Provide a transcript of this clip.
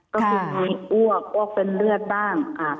ก็คือมีอ้วกอ้วกเป็นเลือดบ้าง